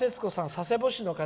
佐世保市の方。